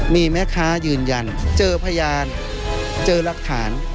มีแม่ค้ายืนยันเจอพยานเจอรักฐาน